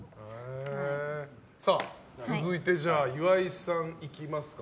続いて、岩井さんいきますか。